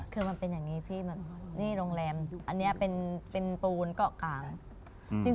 คือมันเป็นอย่างนี้พี่แบบนี่โรงแรมอันนี้เป็นปูนเกาะกลาง